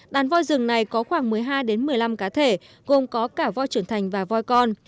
đàn voi rừng này có khoảng một mươi hai một mươi năm cá thể gồm có cả voi trưởng thành và voi con